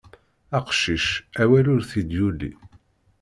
Aqcic, awal ur t-id-yuli.